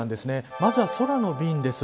まずは空の便です。